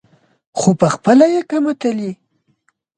خو پخپله یې کمه تلي.